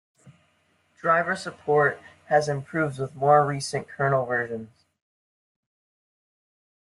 Driver support has improved with more recent kernel versions.